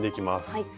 はい。